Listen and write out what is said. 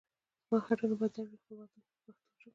زما هډونه به در وړئ خپل وطن ته په پښتو ژبه.